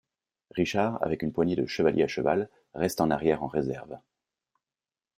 Richard, avec une poignée de chevaliers à cheval, restent en arrière en réserve.